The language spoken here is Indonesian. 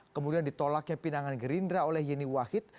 kemudian ditolaknya pinangan gerindra oleh yeni wahid